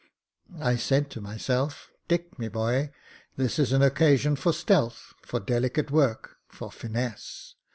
I says to myself, 'Dick, my boy, this is an occasion for stealth, for delicate work, for finesse.'